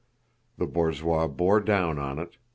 The borzois bore down on it....